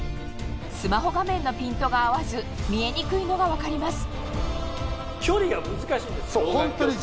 スマホ画面のピントが合わず見えにくいのが分かります